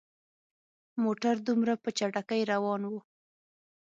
موټر دومره په چټکۍ روان وو.